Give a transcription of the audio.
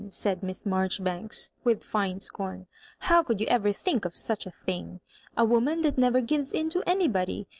" said Miss Marjoribanks, with fine Boom, *' How could you ever think of such a thing I A wo man that never gives in to anybody.